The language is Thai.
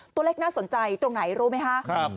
ตัวเลขน่าสนใจตรงไหนรู้ไหมค่ะ